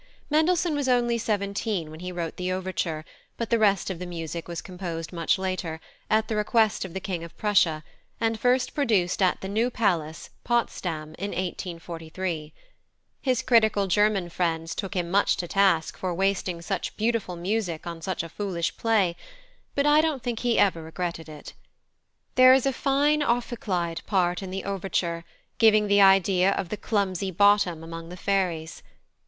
+Mendelssohn+ was only seventeen when he wrote the overture, but the rest of the music was composed much later, at the request of the King of Prussia, and first produced at the New Palace, Potsdam, in 1843. His critical German friends took him much to task for wasting such beautiful music on such a foolish play, but I don't think he ever regretted it. There is a fine ophicleide part in the overture, giving the idea of the clumsy Bottom among the fairies.